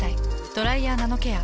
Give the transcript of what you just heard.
「ドライヤーナノケア」。